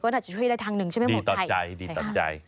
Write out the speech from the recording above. ก็ควรอาจช่วยได้ทางนึงใช่ไหมหมดไทยดีต่อใจ